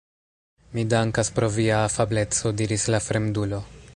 Mi dankas pro via afableco, diris la fremdulo.